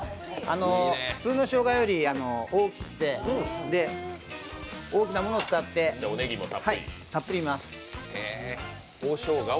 普通のしょうがより大きなものを使って、たっぷり入れます。